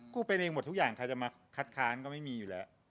ไปเองหมดทุกอย่างใครจะมาคัดค้านก็ไม่มีอยู่แล้ว